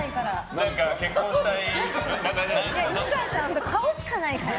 犬飼さん、顔しかないから。